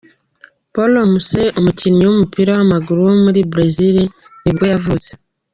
Paulo Musse, umukinnyi w’umupira w’amaguru wo muri Brazil nibwo yavutse.